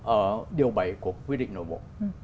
ở điều bảy của quy định nội bộ